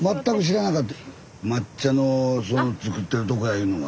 抹茶のそういうの作ってるとこやいうのは。